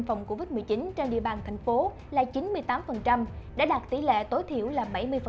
phòng covid một mươi chín trên địa bàn thành phố là chín mươi tám đã đạt tỷ lệ tối thiểu là bảy mươi